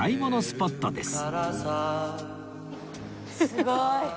すごい。